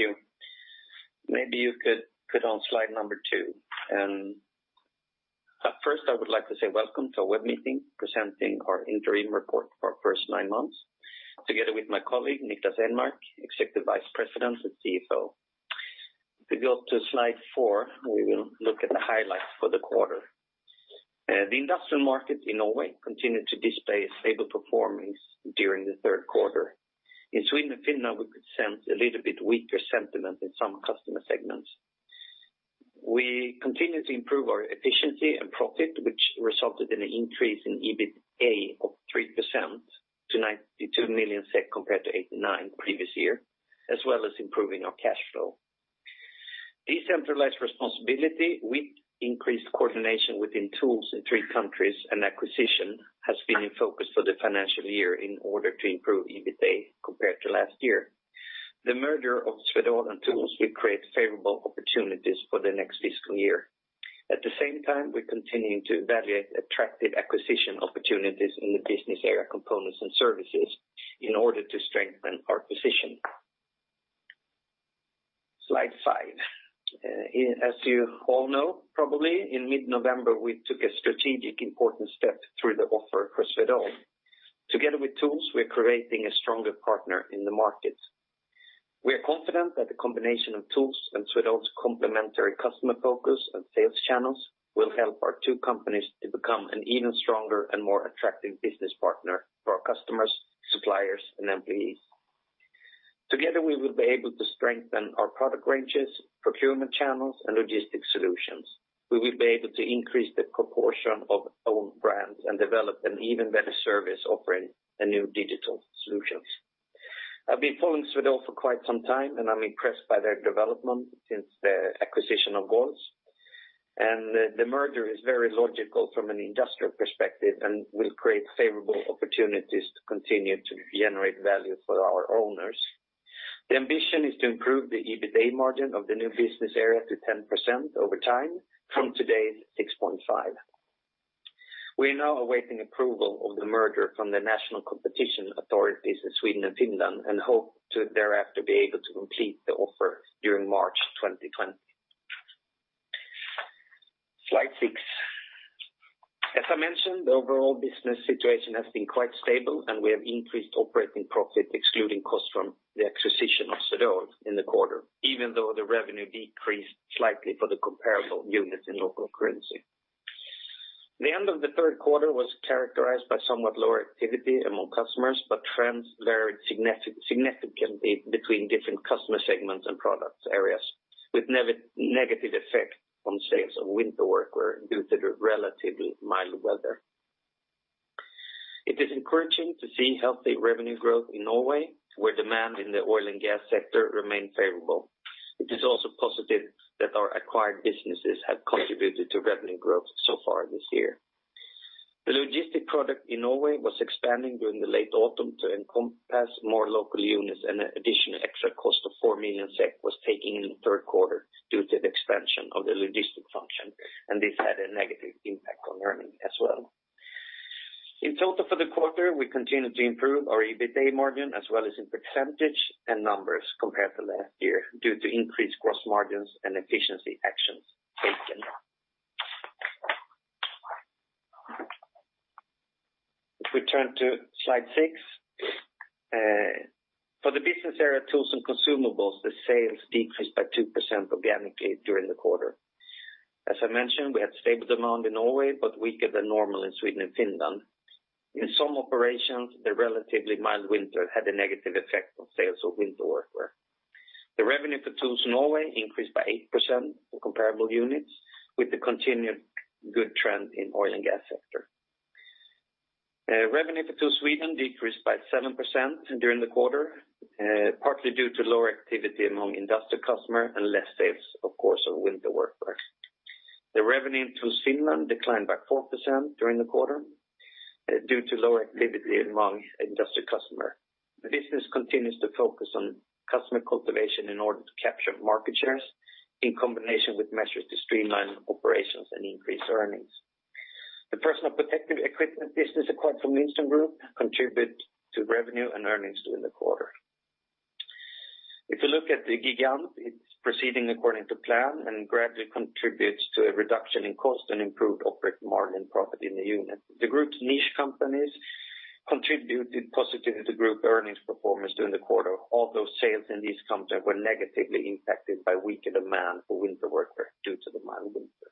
Thank you. Maybe you could put on slide number two. First, I would like to say welcome to our web meeting, presenting our interim report for our first nine months, together with my colleague, Niklas Enmark, Executive Vice President and CFO. If we go to slide four, we will look at the highlights for the quarter. The industrial market in Norway continued to display a stable performance during the Q3. In Sweden and Finland, we could sense a little bit weaker sentiment in some customer segments. We continued to improve our efficiency and profit, which resulted in an increase in EBITA of 3% to 92 million SEK, compared to 89 previous year, as well as improving our cash flow. Decentralized responsibility with increased coordination within Tools in three countries, and acquisition has been in focus for the financial year in order to improve EBITA compared to last year. The merger of Swedol and Tools will create favorable opportunities for the next fiscal year. At the same time, we're continuing to evaluate attractive acquisition opportunities in the business area, components and services, in order to strengthen our position. Slide five. As you all know, probably, in mid-November, we took a strategic important step through the offer for Swedol. Together with Tools, we're creating a stronger partner in the market. We are confident that the combination of Tools and Swedol's complementary customer focus and sales channels will help our two companies to become an even stronger and more attractive business partner for our customers, suppliers, and employees. Together, we will be able to strengthen our product ranges, procurement channels, and logistic solutions. We will be able to increase the proportion of own brands and develop an even better service, offering a new digital solutions. I've been following Swedol for quite some time, and I'm impressed by their development since the acquisition of Golz. The merger is very logical from an industrial perspective and will create favorable opportunities to continue to generate value for our owners. The ambition is to improve the EBITA margin of the new business area to 10% over time, from today's 6.5%. We are now awaiting approval of the merger from the National Competition Authorities in Sweden and Finland, and hope to thereafter be able to complete the offer during March 2020. Slide six. As I mentioned, the overall business situation has been quite stable, and we have increased operating profit, excluding costs from the acquisition of Swedol in the quarter, even though the revenue decreased slightly for the comparable units in local currency. The end of the Q3 was characterized by somewhat lower activity among customers, but trends varied significantly between different customer segments and product areas, with negative effect on sales of winter workwear due to the relatively mild weather. It is encouraging to see healthy revenue growth in Norway, where demand in the oil and gas sector remain favorable. It is also positive that our acquired businesses have contributed to revenue growth so far this year. The logistic product in Norway was expanding during the late autumn to encompass more local units, and an additional extra cost of 4 million SEK was taken in the Q3 due to the expansion of the logistic function, and this had a negative impact on earnings as well. In total, for the quarter, we continued to improve our EBITA margin as well as in percentage and numbers compared to last year, due to increased gross margins and efficiency actions taken. If we turn to slide six, for the business area, tools and consumables, the sales decreased by 2% organically during the quarter. As I mentioned, we had stable demand in Norway, but weaker than normal in Sweden and Finland. In some operations, the relatively mild winter had a negative effect on sales of winter workwear. The revenue for Tools Norway increased by 8% for comparable units, with the continued good trend in oil and gas sector. Revenue for Tools Sweden decreased by 7% during the quarter, partly due to lower activity among industrial customer and less sales, of course, of winter workwear. The revenue in Tools Finland declined by 4% during the quarter, due to lower activity among industrial customer. The business continues to focus on customer cultivation in order to capture market shares, in combination with measures to streamline operations and increase earnings. The personal protective equipment business acquired from Lindström Group contribute to revenue and earnings during the quarter. If you look at the Gigant, it's proceeding according to plan and gradually contributes to a reduction in cost and improved operating margin profit in the unit. The group's niche companies contributed positively to group earnings performance during the quarter, although sales in these companies were negatively impacted by weaker demand for winter workwear due to the mild winter.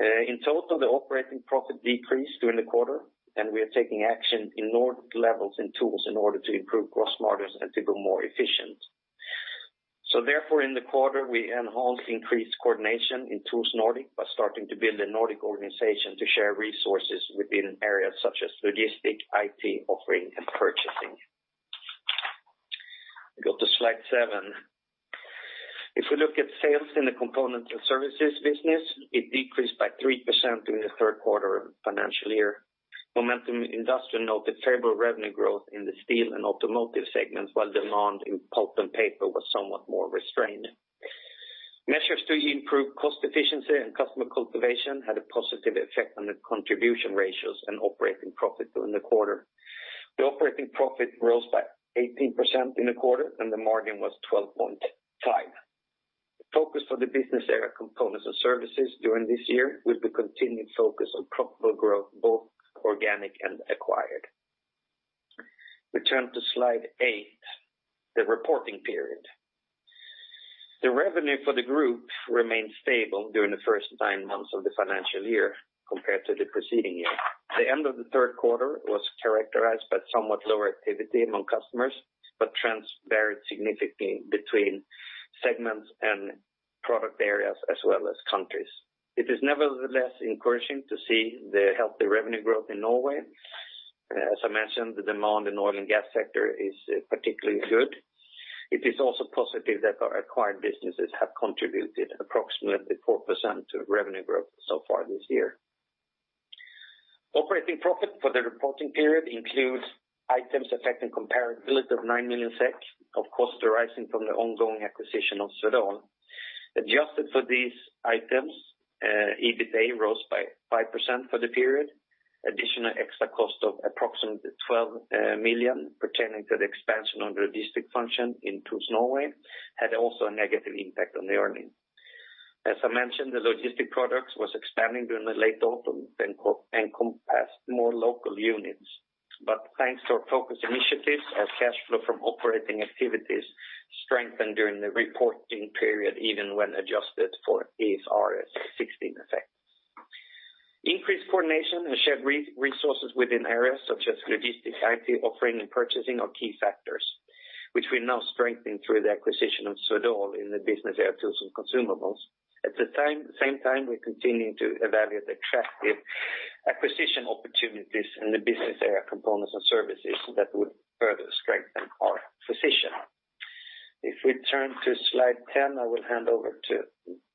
In total, the operating profit decreased during the quarter, and we are taking action in Nordic levels and Tools in order to improve gross margins and to be more efficient. So therefore, in the quarter, we enhanced increased coordination in Tools Nordic by starting to build a Nordic organization to share resources within areas such as logistic, IT, offering, and purchasing. We go to slide seven. If we look at sales in the component and services business, it decreased by 3% during the Q3 of financial year. Momentum Industrial noted favorable revenue growth in the steel and automotive segments, while demand in pulp and paper was somewhat more restrained.... Measures to improve cost efficiency and customer cultivation had a positive effect on the contribution ratios and operating profit during the quarter. The operating profit rose by 18% in the quarter, and the margin was 12.5%. The focus for the business area Components and Services during this year will be continued focus on profitable growth, both organic and acquired. We turn to slide eight, the reporting period. The revenue for the group remained stable during the first nine months of the financial year compared to the preceding year. The end of the Q3 was characterized by somewhat lower activity among customers, but transpired significantly between segments and product areas as well as countries. It is nevertheless encouraging to see the healthy revenue growth in Norway. As I mentioned, the demand in oil and gas sector is particularly good. It is also positive that our acquired businesses have contributed approximately 4% to revenue growth so far this year. Operating profit for the reporting period includes items affecting comparability of 9 million SEK of costs arising from the ongoing acquisition of Swedol. Adjusted for these items, EBITA rose by 5% for the period. Additional extra cost of approximately 12 million SEK pertaining to the expansion of the logistic function into Norway had also a negative impact on the earnings. As I mentioned, the logistic products was expanding during the late autumn and encompassed more local units. But thanks to our focus initiatives, our cash flow from operating activities strengthened during the reporting period, even when adjusted for IFRS 16 effect. Increased coordination and shared resources within areas such as logistics, IT, offering, and purchasing are key factors, which we now strengthen through the acquisition of Swedol in the business area Tools and consumables. At the same time, we're continuing to evaluate attractive acquisition opportunities in the business area Components and Services that would further strengthen our position. If we turn to slide 10, I will hand over to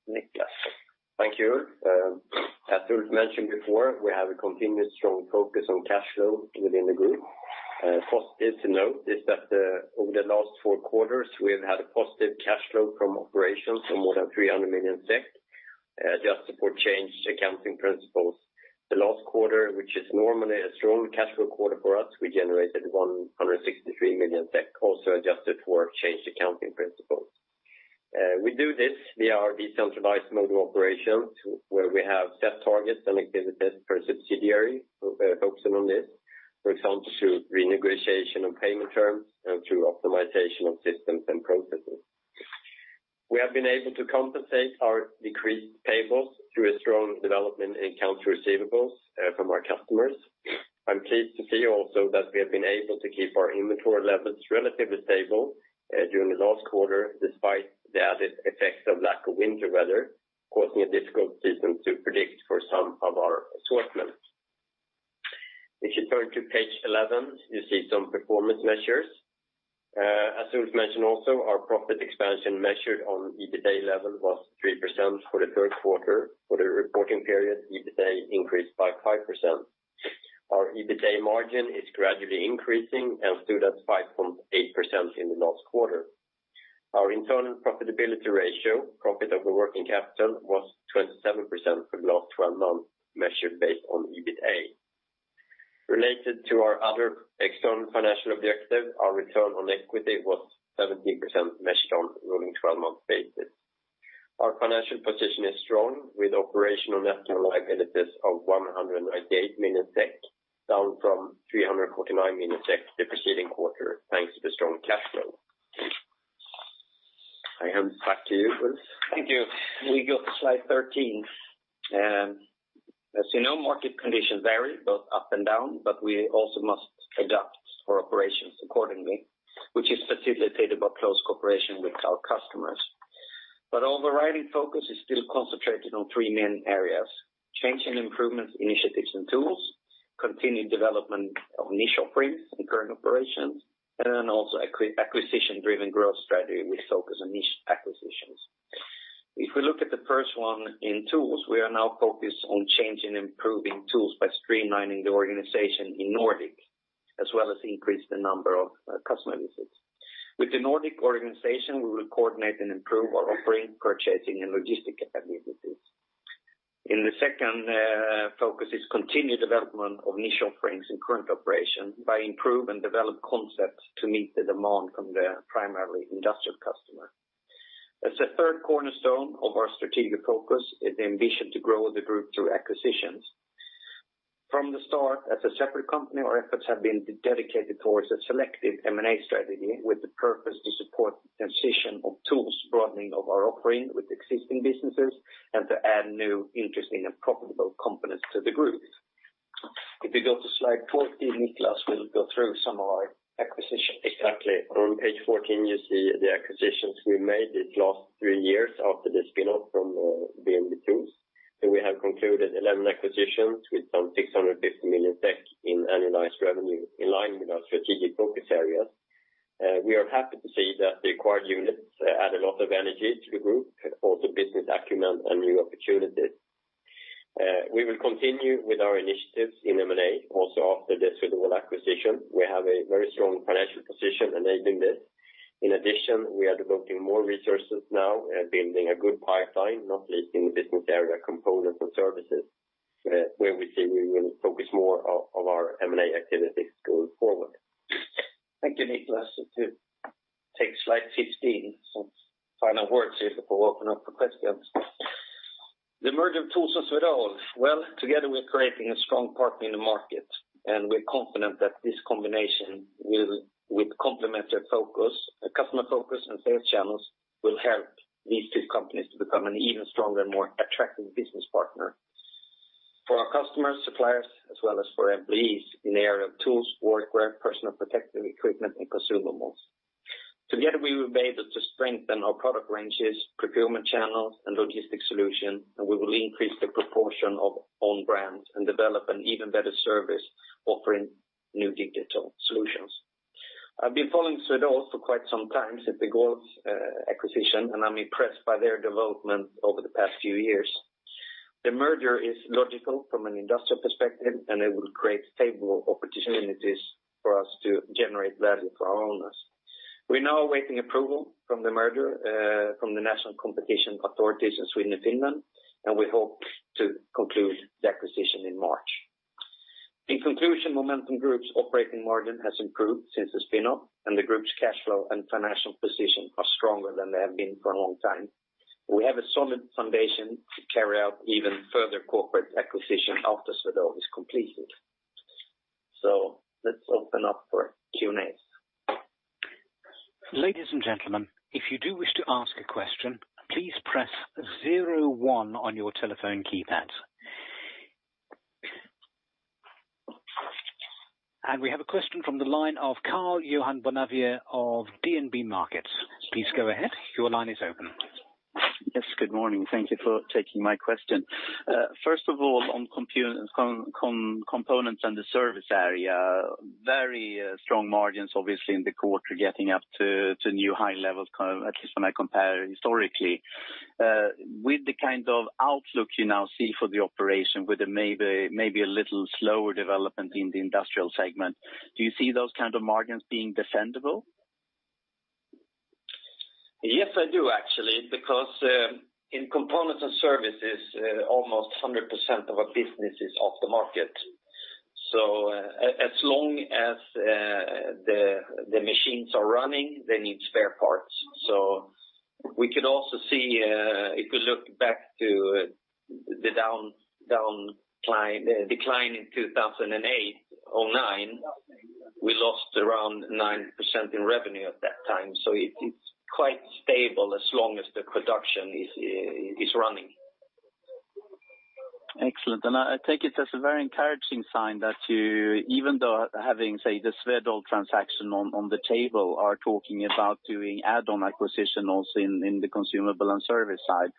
Niklas. Thank you, Ulf. As Ulf mentioned before, we have a continued strong focus on cash flow within the group. Positive to note is that over the last four quarters, we have had a positive cash flow from operations of more than 300 million SEK, adjusted for changed accounting principles. The last quarter, which is normally a strong cash flow quarter for us, we generated 163 million SEK, also adjusted for changed accounting principles. We do this via our decentralized model operations, where we have set targets and activities per subsidiary, focusing on this, for example, through renegotiation of payment terms and through optimization of systems and processes. We have been able to compensate our decreased payables through a strong development in accounts receivables from our customers. I'm pleased to see also that we have been able to keep our inventory levels relatively stable, during the last quarter, despite the added effects of lack of winter weather, causing a difficult season to predict for some of our assortments. If you turn to page 11, you see some performance measures. As Ulf mentioned also, our profit expansion measured on EBITA level was 3% for the Q3. For the reporting period, EBITA increased by 5%. Our EBITA margin is gradually increasing and stood at 5.8% in the last quarter. Our internal profitability ratio, profit over working capital, was 27% for the last 12 months, measured based on EBITA. Related to our other external financial objective, our return on equity was 17%, measured on rolling 12-month basis. Our financial position is strong, with operational net liabilities of 198 million SEK, down from 349 million SEK the preceding quarter, thanks to the strong cash flow. I hand back to you, Ulf. Thank you. We go to slide 13. As you know, market conditions vary, both up and down, but we also must adapt our operations accordingly, which is facilitated by close cooperation with our customers. But overriding focus is still concentrated on three main areas: change and improvement initiatives and tools, continued development of niche offerings in current operations, and then also acquisition-driven growth strategy with focus on niche acquisitions. If we look at the first one in tools, we are now focused on changing and improving tools by streamlining the organization in Nordic, as well as increase the number of customer visits. With the Nordic organization, we will coordinate and improve our offering, purchasing, and logistic capabilities. In the second, focus is continued development of niche offerings in current operations by improve and develop concepts to meet the demand from the primarily industrial customer. As a third cornerstone of our strategic focus is the ambition to grow the group through acquisitions. From the start, as a separate company, our efforts have been dedicated towards a selective M&A strategy, with the purpose to support the position of TOOLS, broadening of our offering with existing businesses, and to add new interesting and profitable components to the group. If you go to slide 14, Niklas will go through some of our acquisitions. Exactly. On page 14, you see the acquisitions we made these last three years after the spin-off from B&B TOOLS. So we have concluded 11 acquisitions with some 650 million in annualized revenue, in line with our strategic focus areas. We are happy to see that the acquired units add a lot of energy to the group, also business acumen and new opportunities. We will continue with our initiatives in M&A also after the Swedol acquisition. We have a very strong financial position enabling this. In addition, we are devoting more resources now, building a good pipeline, not least in the business area, components and services, where we see we will focus more of our M&A activities going forward. Thank you, Niklas. To take slide 15, some final words here before we open up for questions. The merger of Tools and Swedol, well, together we are creating a strong partner in the market, and we're confident that this combination will, with complementary focus, a customer focus and sales channels, will help these two companies to become an even stronger and more attractive business partner. For our customers, suppliers, as well as for employees in the area of tools, workwear, personal protective equipment, and consumables. Together, we will be able to strengthen our product ranges, procurement channels, and logistic solution, and we will increase the proportion of own brands and develop an even better service offering new digital solutions. I've been following Swedol for quite some time since the Golv acquisition, and I'm impressed by their development over the past few years. The merger is logical from an industrial perspective, and it will create stable opportunities for us to generate value for our owners. We're now awaiting approval from the merger, from the National Competition Authorities in Sweden and Finland, and we hope to conclude the acquisition in March. In conclusion, Momentum Group's operating margin has improved since the spin-off, and the group's cash flow and financial position are stronger than they have been for a long time. We have a solid foundation to carry out even further corporate acquisition after Swedol is completed. Let's open up for Q&A. Ladies and gentlemen, if you do wish to ask a question, please press zero-one on your telephone keypad. We have a question from the line of Karl-Johan Bonnevier of DNB Markets. Please go ahead. Your line is open. Yes, good morning. Thank you for taking my question. First of all, on components and the service area, very strong margins, obviously, in the quarter, getting up to new high levels, kind of at least when I compare historically. With the kind of outlook you now see for the operation, with a maybe a little slower development in the industrial segment, do you see those kind of margins being defendable? Yes, I do, actually, because in components and services, almost 100% of our business is off the market. So as long as the machines are running, they need spare parts. So we could also see if you look back to the decline in September 2008, we lost around 9% in revenue at that time, so it's quite stable as long as the production is running. Excellent. And I, I take it as a very encouraging sign that you, even though having, say, the Swedol transaction on, on the table, are talking about doing add-on acquisition also in, in the consumables and service side.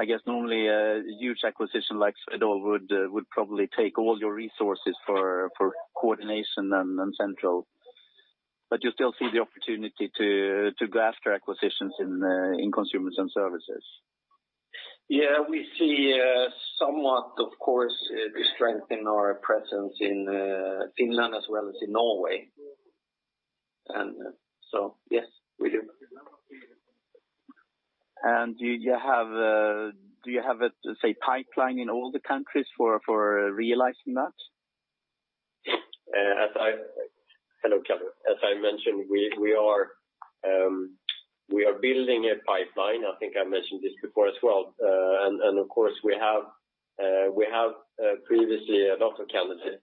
I guess normally, a huge acquisition like Swedol would, would probably take all your resources for, for coordination and, and central. But you still see the opportunity to, to go after acquisitions in, in consumables and services? Yeah, we see somewhat, of course, the strength in our presence in Finland as well as in Norway. And so yes, we do. Do you have a, say, pipeline in all the countries for realizing that? Hello, Karl. As I mentioned, we are building a pipeline. I think I mentioned this before as well. And of course, we have previously a lot of candidates,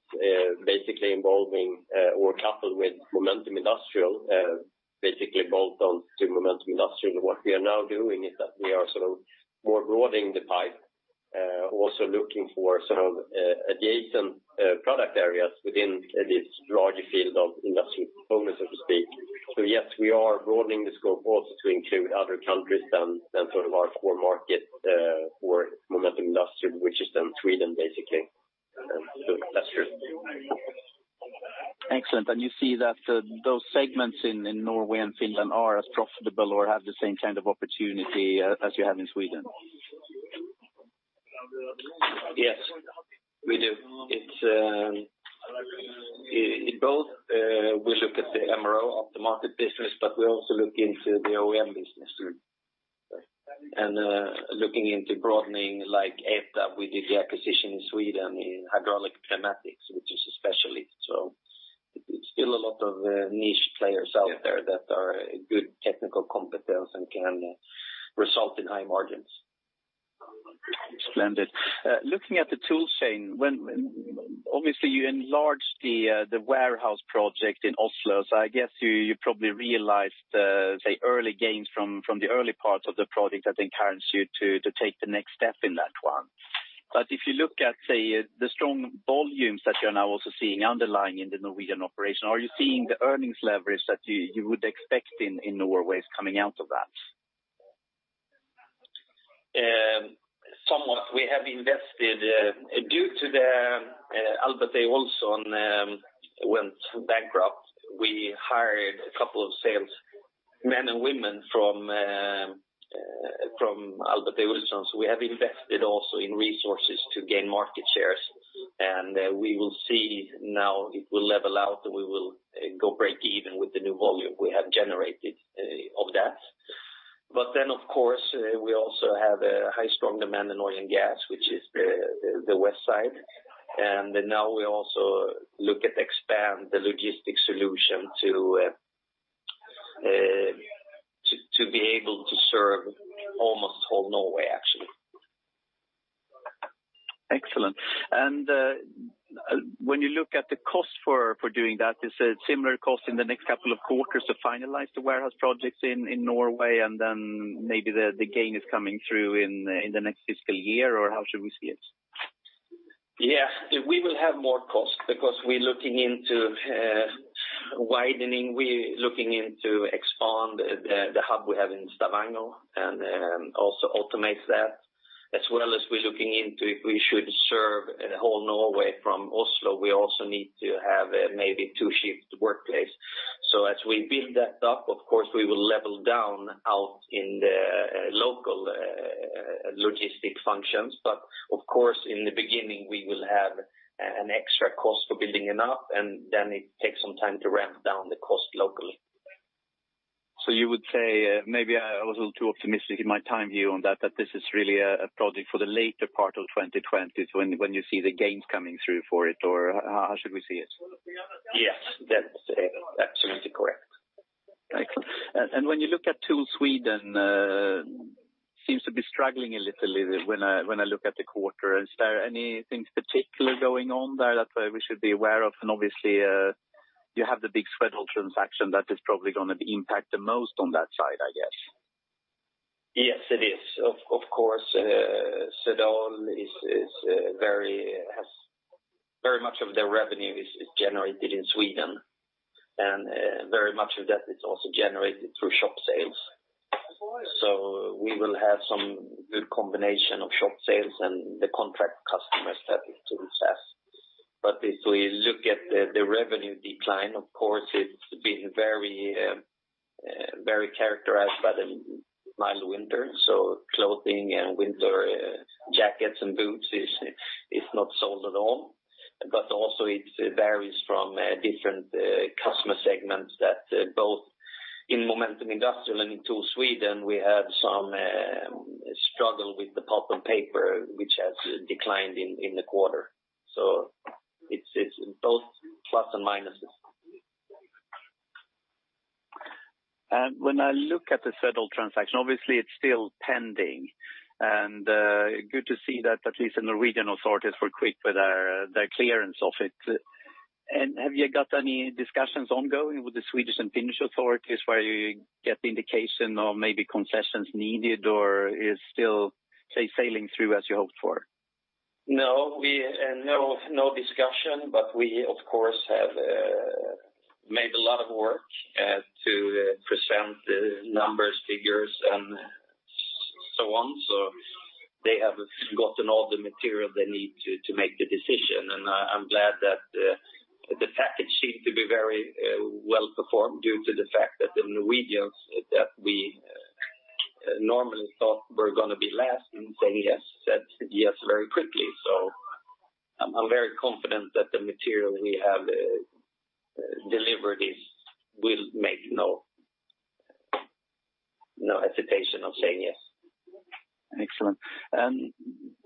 basically involving or coupled with Momentum Industrial, basically built on to Momentum Industrial. What we are now doing is that we are sort of more broadening the pipe, also looking for some adjacent product areas within this larger field of industrial components, so to speak. So yes, we are broadening the scope also to include other countries than sort of our core market for Momentum Industrial, which is in Sweden, basically. So that's true. Excellent. You see that those segments in Norway and Finland are as profitable or have the same kind of opportunity as you have in Sweden? Yes, we do. It's in both, we look at the MRO off the market business, but we also look into the OEM business too. And, looking into broadening, like EFTA, we did the acquisition in Sweden, in hydraulic pneumatics, which is a specialty. So it's still a lot of niche players out there that are good technical competence and can result in high margins. Splendid. Looking at the tool chain, obviously, you enlarged the warehouse project in Oslo, so I guess you probably realized, say, early gains from the early part of the project that encouraged you to take the next step in that one. But if you look at, say, the strong volumes that you're now also seeing underlying in the Norwegian operation, are you seeing the earnings leverage that you would expect in Norway coming out of that? Somewhat. We have invested. Due to the Albert E. Olsen went bankrupt, we hired a couple of salesmen and women from Albert E. Olsen. So we have invested also in resources to gain market shares, and we will see now it will level out, and we will go break even with the new volume we have generated of that. But then, of course, we also have a high strong demand in oil and gas, which is the west side. And now we also look at expand the logistic solution to be able to serve almost all Norway, actually. Excellent. And, when you look at the cost for doing that, is it similar cost in the next couple of quarters to finalize the warehouse projects in Norway, and then maybe the gain is coming through in the next fiscal year, or how should we see it? Yeah, we will have more cost because we're looking into widening. We're looking into expand the hub we have in Stavanger, and then also automate that, as well as we're looking into if we should serve the whole Norway from Oslo. We also need to have maybe two shift workplace. So as we build that up, of course, we will level down out in the local logistic functions. But of course, in the beginning, we will have an extra cost for building it up, and then it takes some time to ramp down the cost locally. So you would say, maybe I was a little too optimistic in my time view on that, that this is really a, a project for the later part of 2020. So when, when you see the gains coming through for it, or how should we see it? Yes, that's absolutely correct. Excellent. When you look at TOOLS Sweden, seems to be struggling a little bit when I look at the quarter. Is there anything particular going on there that we should be aware of? And obviously, you have the big Swedol transaction that is probably going to impact the most on that side, I guess. Yes, it is. Of course, Swedol has very much of their revenue generated in Sweden, and very much of that is also generated through shop sales. So we will have some good combination of shop sales and the contract customers that is to success. But if we look at the revenue decline, of course, it's been very characterized by the mild winter, so clothing and winter jackets and boots is not sold at all. But also it varies from different customer segments that both in Momentum Industrial and in TOOLS Sweden, we have some struggle with the pulp and paper, which has declined in the quarter. So it's both plus and minuses. When I look at the Swedol transaction, obviously, it's still pending, and good to see that at least in the region, authorities were quick with the clearance of it. Have you got any discussions ongoing with the Swedish and Finnish authorities where you get the indication of maybe concessions needed, or is still, say, sailing through as you hoped for? No, we—no, no discussion, but we, of course, have made a lot of work to present the numbers, figures, and so on. So they have gotten all the material they need to make the decision. And I'm glad that the package seemed to be very well-performed due to the fact that the Norwegians, that we normally thought were going to be last and say yes, said yes very quickly. So I'm very confident that the material we have delivered will make no hesitation of saying yes. Excellent. And,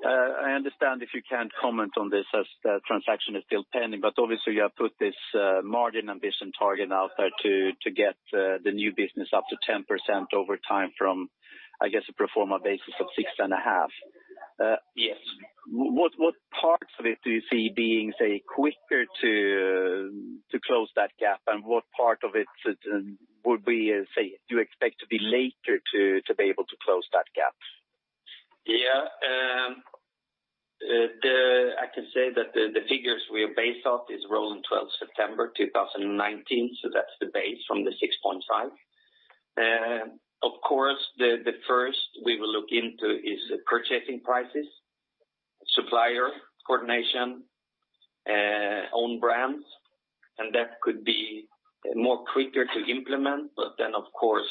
I understand if you can't comment on this as the transaction is still pending, but obviously, you have put this, margin ambition target out there to, to get, the new business up to 10% over time from, I guess, a pro forma basis of 6.5%. Uh, yes. What parts of it do you see being, say, quicker to close that gap? And what part of it would be, say, do you expect to be later to be able to close that gap? Yeah, the—I can say that the figures we are based off is rolling, September 12 2019, so that's the base from the 6.5. Of course, the first we will look into is the purchasing prices, supplier coordination, own brands, and that could be more quicker to implement, but then, of course,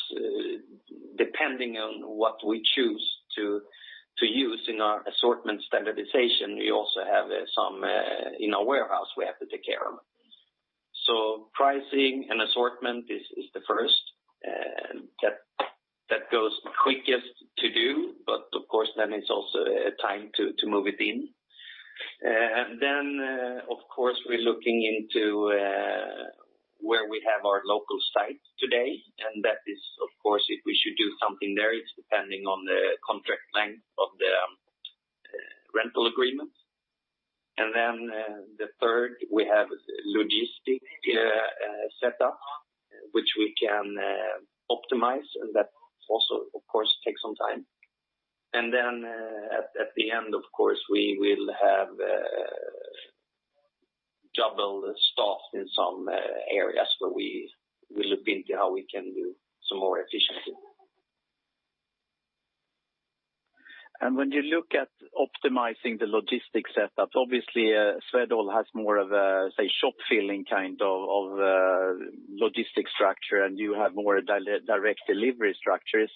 depending on what we choose to use in our assortment standardization, we also have some in our warehouse we have to take care of. So pricing and assortment is the first that goes quickest to do, but of course, then it's also a time to move it in. Then, of course, we're looking into where we have our local sites today, and that is, of course, if we should do something there, it's depending on the contract length of the rental agreements. And then the third, we have logistics setup, which we can optimize, and that also, of course, takes some time. And then at the end, of course, we will have double the staff in some areas where we will look into how we can do some more efficiency. When you look at optimizing the logistics setup, obviously, Swedol has more of a, say, shop-filling kind of logistics structure, and you have more direct delivery structures.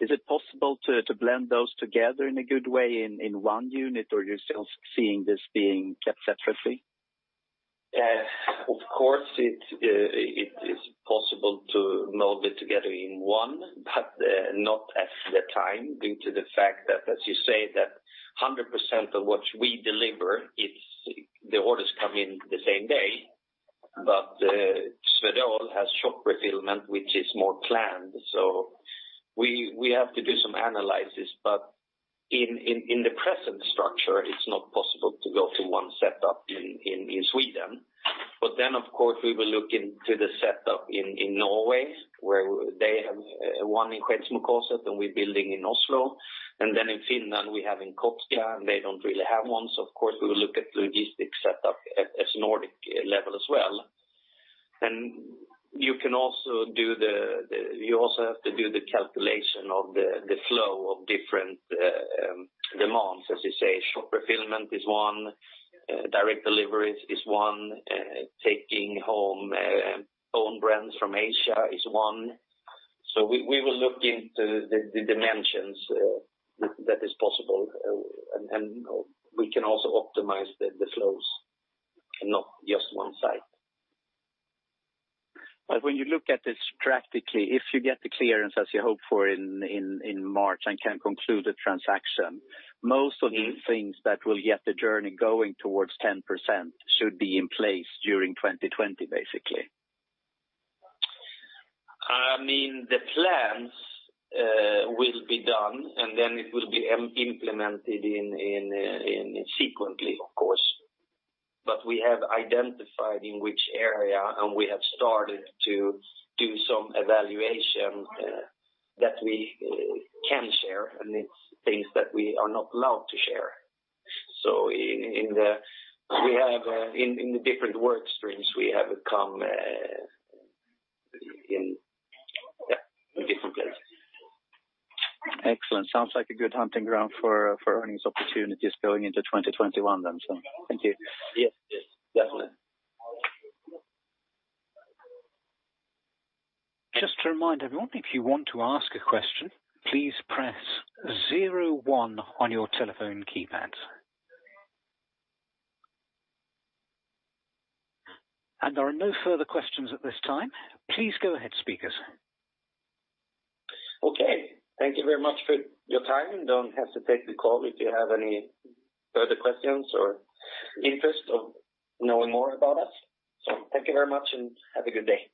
Is it possible to blend those together in a good way in one unit, or you're still seeing this being separately? Of course, it is possible to mold it together in one, but not at the time, due to the fact that as you say, that 100% of what we deliver, it's the orders come in the same day. But Swedol has shop fulfillment, which is more planned, so we have to do some analysis. But in the present structure, it's not possible to go to one setup in Sweden. But then, of course, we will look into the setup in Norway, where they have one in Kløfta, and we're building in Oslo, and then in Finland, we have in Kerava, and they don't really have one. So of course, we will look at logistics setup at Nordic level as well. You can also do, you also have to do the calculation of the flow of different demands. As you say, shop fulfillment is one, direct delivery is one, taking home own brands from Asia is one. So we will look into the dimensions that is possible, and we can also optimize the flows, and not just one side. But when you look at this practically, if you get the clearance as you hope for in March, and can conclude the transaction, most of the things that will get the journey going towards 10% should be in place during 2020, basically. I mean, the plans will be done, and then it will be implemented in sequentially, of course. But we have identified in which area, and we have started to do some evaluation that we can share, and it's things that we are not allowed to share. So in the different work streams, we have come in, yeah, in different places. Excellent! Sounds like a good hunting ground for earnings opportunities going into 2021 then, so thank you. Yes. Yes, definitely. Just to remind everyone, if you want to ask a question, please press zero one on your telephone keypad. There are no further questions at this time. Please go ahead, speakers. Okay. Thank you very much for your time. Don't hesitate to take the call if you have any further questions or interest of knowing more about us. So thank you very much, and have a good day.